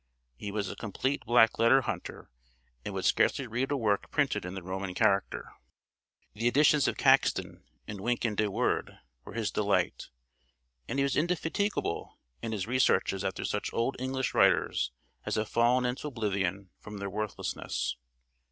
He was a complete black letter hunter, and would scarcely read a work printed in the Roman character. The editions of Caxton and Wynkin de Worde were his delight; and he was indefatigable in his researches after such old English writers as have fallen into oblivion from their worthlessness.